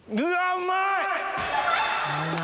うまいな。